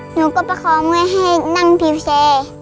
หนูก็ประคองเงินให้นั่งพิวเซ